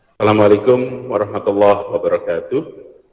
assalamu'alaikum warahmatullahi wabarakatuh